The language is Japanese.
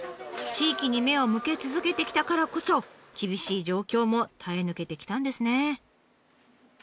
地域に目を向け続けてきたからこそ厳しい状況も耐え抜けてきたんですね。